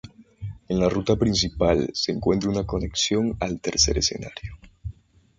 En la ruta principal se encuentra una conexión al tercer escenario.